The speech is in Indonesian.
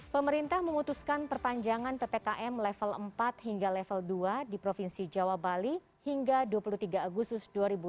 pemerintah memutuskan perpanjangan ppkm level empat hingga level dua di provinsi jawa bali hingga dua puluh tiga agustus dua ribu dua puluh